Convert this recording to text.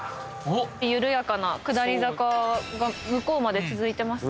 緩やかな下り坂が向こうまで続いてますね